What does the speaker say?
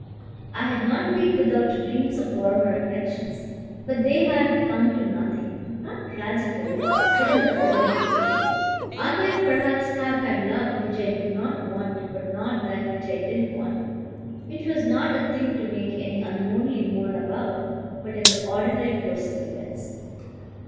I had not been without dreams of warmer affections, but they had come to nothing not tragically, but in the ordinary way. I might perhaps have had love which I did not want but not that which I did want, which was not a thing to make any unmanly moan about, but in the ordinary course of events.